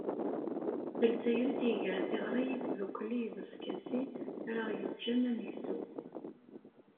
D lezzayer i ɣ-d-yegren tiɣri i tdukli d uskasi ara ɣ-yeǧǧen ad negzu.